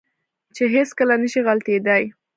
چې هېڅ کله نه شي غلطېداى.